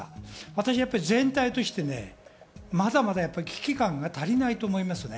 私は全体としてまだまだ危機感が足りないと思います。